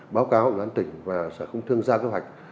báo cáo đoán tỉnh và cũng thương gia kế hoạch